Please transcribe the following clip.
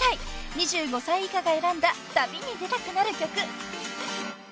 ［２５歳以下が選んだ「旅に出たくなる曲」］